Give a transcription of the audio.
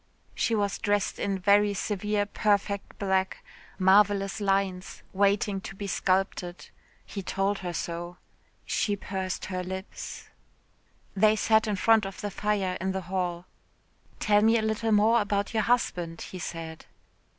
She was dressed in very severe perfect black, marvellous lines, waiting to be sculpted. He told her so. She pursed her lips. They sat in front of the fire in the hall. "Tell me a little more about your husband?" he said.